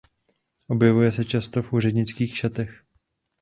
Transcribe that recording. Objevuje se často v úřednických šatech.